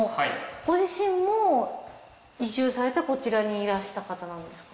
ご自身も移住されてこちらにいらした方なんですか？